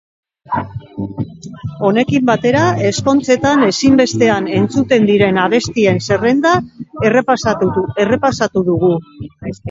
Honekin batera, ezkontzetan ezinbestean entzuten diren abestien zerrenda errepasatu dugu.